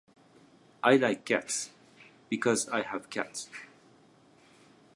I like cats. Because I have cats.